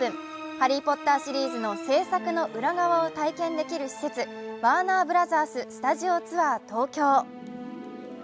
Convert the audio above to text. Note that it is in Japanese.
「ハリー・ポッター」シリーズの制作の裏側を体験できる施設、ワーナーブラザーススタジオツアー東京。